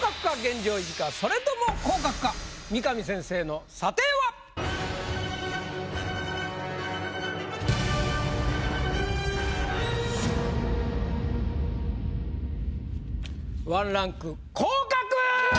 はそれとも降格か⁉三上先生の査定は⁉１ランク降格！